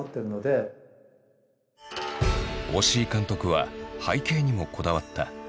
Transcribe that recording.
押井監督は背景にもこだわった。